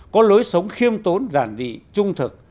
có lối sống khiêm tốn giản dị trung thực